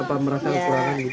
apa merasa kekurangan gitu